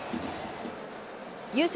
優勝